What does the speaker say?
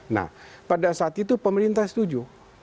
nah pada saat itu pemerintah setuju